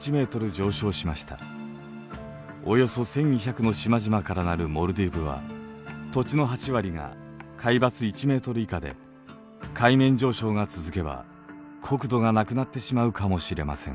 およそ１，２００の島々から成るモルディブは土地の８割が海抜１ｍ以下で海面上昇が続けば国土がなくなってしまうかもしれません。